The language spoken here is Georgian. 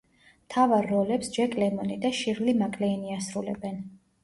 მთავარ როლებს ჯეკ ლემონი და შირლი მაკლეინი ასრულებენ.